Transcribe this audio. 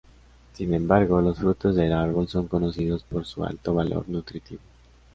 Sin embargo, los frutos del árbol son conocidos por su alto valor nutritivo.